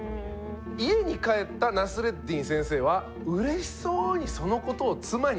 家に帰ったナスレッディン先生はうれしそうにそのことを妻に伝えました。